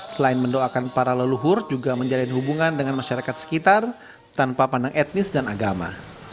selain mendoakan para leluhur juga menjalin hubungan dengan masyarakat sekitar tanpa pandang etnis dan agama